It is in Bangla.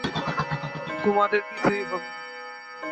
তোমাদের কিছুই হবে না।